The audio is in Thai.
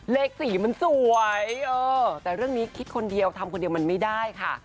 เลข๔มันสวยแต่เรื่องนี้คิดคนเดียวทำคนเดียวมันไม่ได้ค่ะ